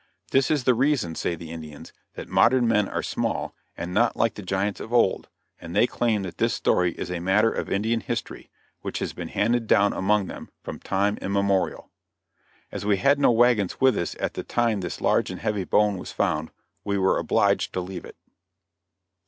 This is the reason, say the Indians, that modern men are small and not like the giants of old, and they claim that this story is a matter of Indian history, which has been handed down among them from time immemorial. As we had no wagons with us at the time this large and heavy bone was found, we were obliged to leave it.